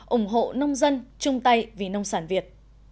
ủng hộ nông dân chung tay vì nông sản việt